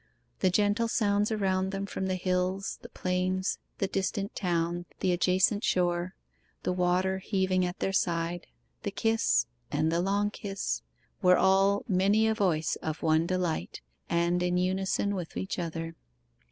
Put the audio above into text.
The gentle sounds around them from the hills, the plains, the distant town, the adjacent shore, the water heaving at their side, the kiss, and the long kiss, were all 'many a voice of one delight,' and in unison with each other.